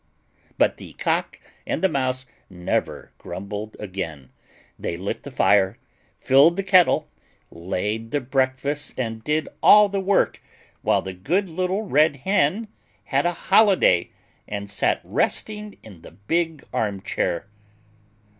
But the Cock and the Mouse never grumbled again. They lit the fire, filled the kettle, laid the breakfast, and did all the work, while the good little Red Hen had a holiday, and sat resting in the big arm chair.